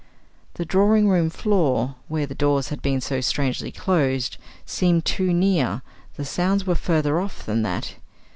The drawing room floor, where the doors had been so strangely closed, seemed too near; the sounds were further off than that.